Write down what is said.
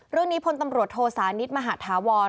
เรื่องนี้พลตำรวจโทสานิทมหาธาวร